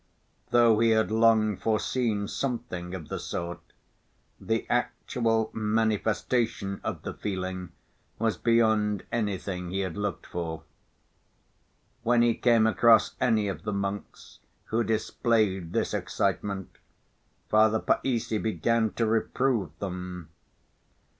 Though he had long foreseen something of the sort, the actual manifestation of the feeling was beyond anything he had looked for. When he came across any of the monks who displayed this excitement, Father Païssy began to reprove them.